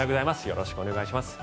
よろしくお願いします。